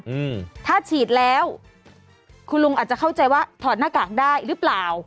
อืมถ้าฉีดแล้วคุณลุงอาจจะเข้าใจว่าถอดหน้ากากได้หรือเปล่า